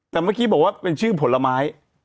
แต่เมื่อกี้บอกว่าเป็นชื่อผลไม้